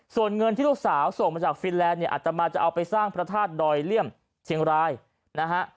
ส่วนเงินที่ลูกสาวส่งมาจากฟินแลนดเนี่ยอัตมาจะเอาไปสร้างพระธาตุดอยเลี่ยมเชียงรายนะฮะ